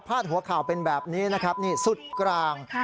หัวข่าวเป็นแบบนี้นะครับนี่สุดกลาง